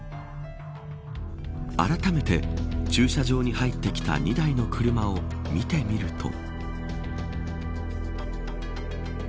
あらためて、駐車場に入ってきた２台の車を見てみると。